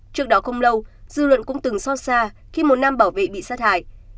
trước đó không lâu dư luận cũng từng so sà khi một nam bảo vệ bị sát hại